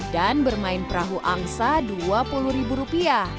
dan bermain perahu angsa rp dua puluh